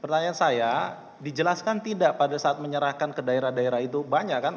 pertanyaan saya dijelaskan tidak pada saat menyerahkan ke daerah daerah itu banyak kan